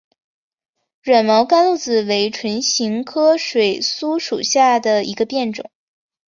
软毛甘露子为唇形科水苏属下的一个变种。